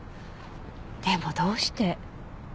でもどうして。